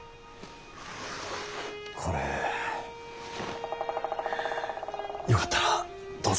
これよかったらどうぞ。